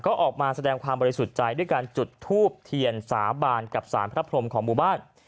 ก็ออกมาแสดงความบริสุทธิ์ใจด้วยการจุดทูบเทียนสาบานกับสารพระพรมของหมู่บ้าน